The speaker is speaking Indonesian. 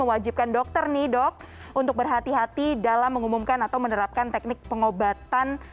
wajibkan dokter nih dok untuk berhati hati dalam mengumumkan atau menerapkan teknik pengobatan